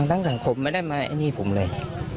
ทั้งสังคมไม่ได้มาไอ้นี่ผมเลย